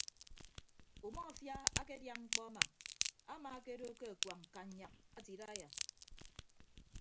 Umọfia akedia mkpọ ama amaakedo ke akuañ kannyak ate idaiya.